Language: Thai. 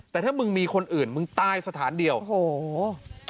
แต่ถ้ามึงมีคนอื่นมึงตายสถานเดียวโอ้โห